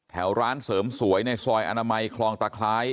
แถวร้านเสริมสวยในซอยอนามัยคลองตะคล้าย